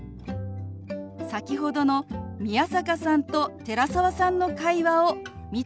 先ほどの宮坂さんと寺澤さんの会話を見てみましょう。